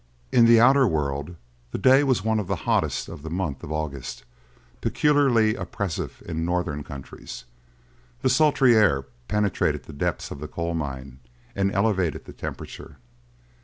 In the outer world, the day was one of the hottest of the month of August, peculiarly oppressive in northern countries. The sultry air penetrated the depths of the coal mine, and elevated the temperature.